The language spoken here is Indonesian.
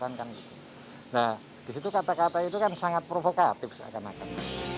nah disitu kata kata itu kan sangat provokatif seakan akan